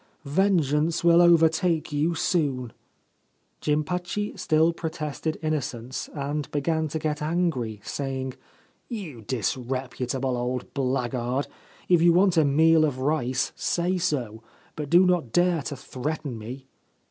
Vengeance will overtake you soon/ Jimpachi still protested innocence and began to get angry, saying : 4 You disreputable old blackguard, if you want a meal of rice say so ; but do not dare to threaten me.'